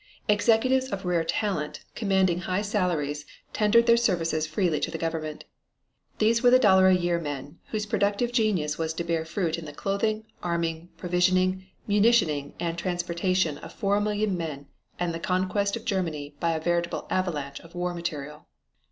Executives of rare talent commanding high salaries tendered their services freely to the government. These were the "dollar a year men" whose productive genius was to bear fruit in the clothing, arming, provisioning, munitioning and transportation of four million men and the conquest of Germany by a veritable avalanche of war material.